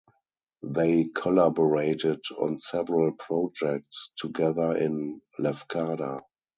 They collaborated on several projects together in Lefkada.